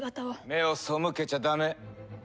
目を背けちゃダメ。